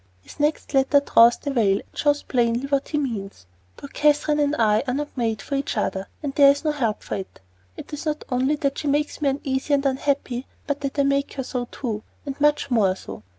His next letter draws the veil and shows plainly what he means: Poor Catherine and I are not made for each other, and there is no help for it. It is not only that she makes me uneasy and unhappy, but that I make her so, too and much more so.